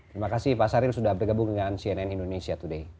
terima kasih pak saril sudah bergabung dengan cnn indonesia today